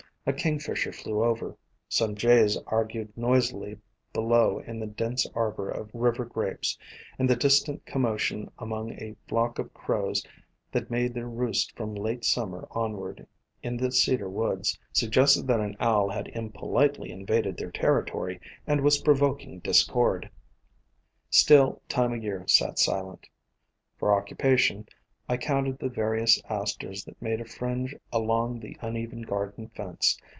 A kingfisher flew over, some jays argued noisily below in the dense arbor of river grapes, and the distant commotion among a flock of crows that made their roost from late Summer onward in the Cedar woods, suggested that an owl had impolitely invaded their territory and was provoking discord. Still Time o' Year sat silent. For occupation I counted the various Asters that made a fringe along the uneven garden fence.